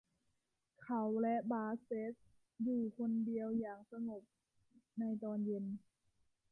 เขาและบาสเซ็ทอยู่คนเดียวอย่างสงบในตอนเย็น